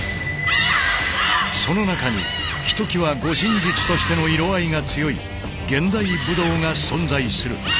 その中にひときわ護身術としての色合いが強い現代武道が存在する。